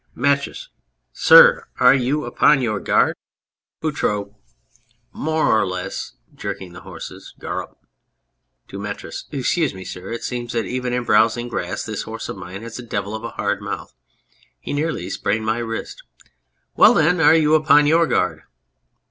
METRIS. Sir, are you upon your guard ? 225 Q On Anything BOUTROUX. More or less (jerking the horses). Garrup ! (To METRIS) Excuse me, sir, it seems that even in browsing grass this horse of mine has a devil of a hard mouth. He nearly sprained my wrist. ... Well, then, are you upon your guard